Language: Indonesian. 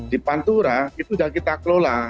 di pantura itu sudah kita kelola